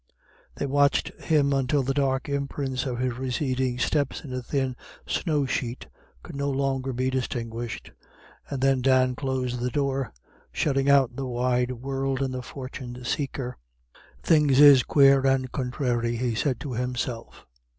They watched him until the dark imprints of his receding steps in the thin snow sheet could no longer be distinguished, and then Dan closed the door, shutting out the wide world and the fortune seeker. "Things is quare and conthráry," he said to himself.